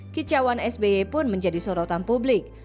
kicauan sby pun menjadi sorotan publik